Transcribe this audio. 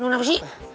buat apa sih